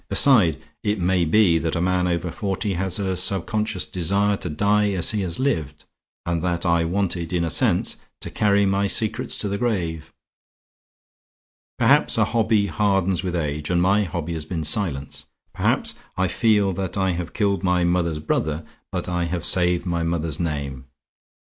Besides, it may be that a man over forty has a subconscious desire to die as he has lived, and that I wanted, in a sense, to carry my secrets to the grave. Perhaps a hobby hardens with age; and my hobby has been silence. Perhaps I feel that I have killed my mother's brother, but I have saved my mother's name.